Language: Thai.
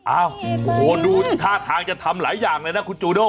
โอ้โหดูท่าทางจะทำหลายอย่างเลยนะคุณจูโด้